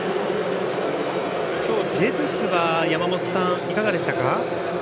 今日、ジェズスは山本さんいかがでしたか。